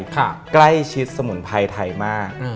ใกล้ชิดสมุนไพรไทยมาก